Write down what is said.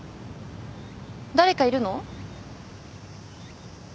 誰かいるの？